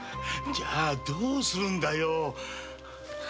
じゃどうするんだよ。